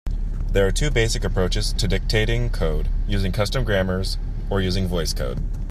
There are two basic approaches to dictating code: using custom grammars or using VoiceCode.